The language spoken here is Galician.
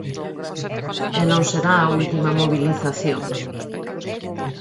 E non será a última mobilización.